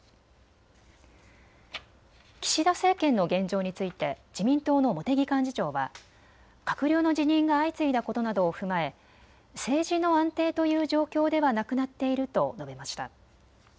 岸田政権の現状について自民党の茂木幹事長は閣僚の辞任が相次いだことなどを踏まえ政治の安定という状況ではなくなっていると述べました。